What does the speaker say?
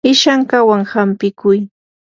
ishankawan hampikuy.